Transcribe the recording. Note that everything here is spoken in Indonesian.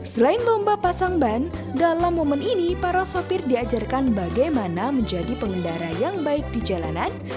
selain lomba pasang ban dalam momen ini para sopir diajarkan bagaimana menjadi pengendara yang baik di jalanan